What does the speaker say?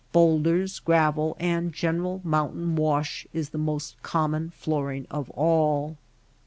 Bowlders, gravel, and general mountain wash is the most common flooring of all.